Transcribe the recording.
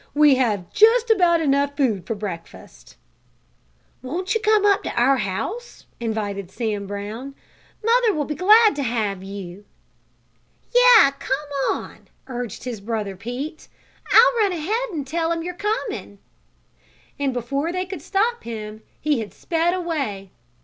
"We have just about enough food for breakfast." "Won't you come up to our house?" invited Sam Brown. "Mother will be glad to have you." "Yes, come on!" urged his brother Pete. "I'll run ahead and tell 'em you're coming," and before they could stop him he had sped away.